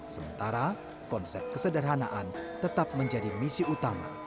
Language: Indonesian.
sementara konsep kesederhanaan tetap menjadi misi utama